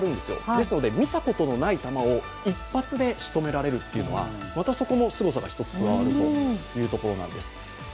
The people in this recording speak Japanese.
ですので見たことのない球を一発でしとめられるというのはまた、そこもすごさが加わるというところなんですね。